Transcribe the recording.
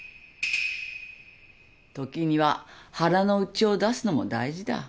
時には腹の内を出すのも大事だ。